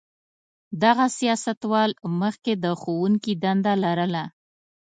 دغه سیاستوال مخکې د ښوونکي دنده لرله.